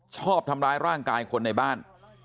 ชอบทำร้ายร่างกายคนในบ้าน